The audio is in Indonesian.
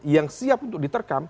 yang siap untuk diterkam